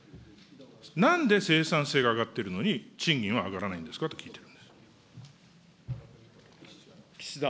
なんで生産性が上がってるのに、賃金は上がらないんですかと聞いてるんです。